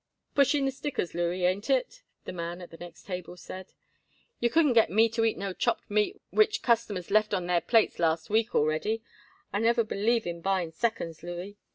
"Pushing the stickers, Louis, ain't it?" the man at the next table said. "You couldn't get me to eat no chopped meat which customers left on their plates last week already. I never believe in buying seconds, Louis.